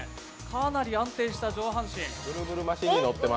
かなり安定した上半身。